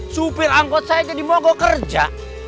supir angkot saya jadi mau gue kerja